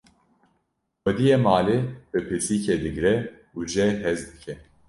xwediyê malê bi pisikê digre û jê hez dike